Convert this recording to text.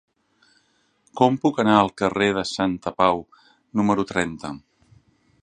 Com puc anar al carrer de Santapau número trenta?